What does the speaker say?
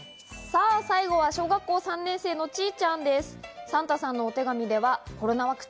最後は小学校３年生のちーちゃんです。